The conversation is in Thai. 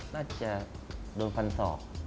น่าจะโดนฟันศอก